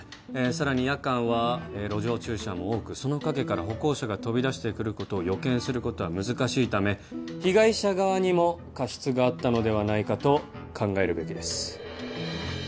さらに夜間は路上駐車も多くその陰から歩行者が飛び出してくることを予見することは難しいため被害者側にも過失があったのではないかと考えるべきです